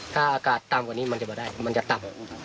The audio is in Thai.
ถ้าอากาศต่ำกว่านี้มันจะมาได้มันจะต่ำ